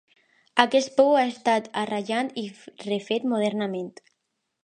Aquest pou ha estat arranjat i refet modernament.